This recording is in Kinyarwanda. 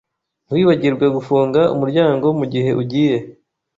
Ntiwibagirwe gufunga umuryango mugihe ugiye.